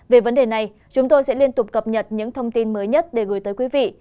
về vấn đề này chúng tôi sẽ liên tục cập nhật những thông tin mới nhất để gửi tới quý vị